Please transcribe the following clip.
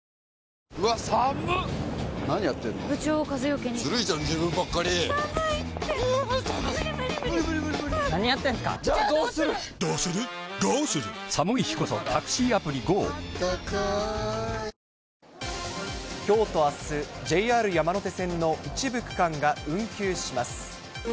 きょうとあす、ＪＲ山手線のきょうとあす、ＪＲ山手線の一部区間が運休します。